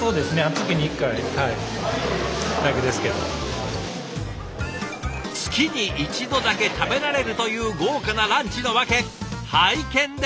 月に一度だけ食べられるという豪華なランチのワケ拝見です。